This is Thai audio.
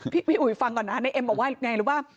พี่อุ๋ยฟังก่อนนะในเอ็มบอกว่าไงรู้ป่ะ